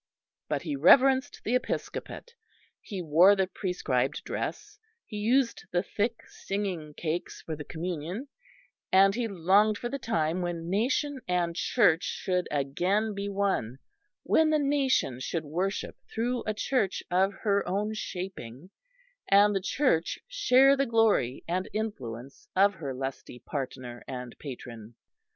But he reverenced the Episcopate, he wore the prescribed dress, he used the thick singing cakes for the Communion, and he longed for the time when nation and Church should again be one; when the nation should worship through a Church of her own shaping, and the Church share the glory and influence of her lusty partner and patron.